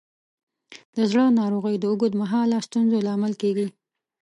د زړه ناروغۍ د اوږد مهاله ستونزو لامل کېږي.